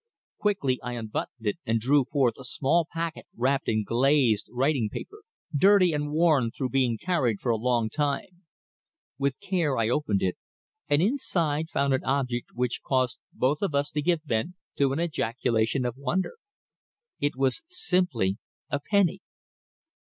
Quickly I unbuttoned it and drew forth a small packet wrapped in glazed writing paper, dirty and worn through being carried for a long time. With care I opened it, and inside found an object which caused us both to give vent to an ejaculation of wonder. It was simply a penny.